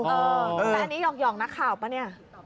แต่อันนี้หยอกนักข่าวป่ะเนี่ย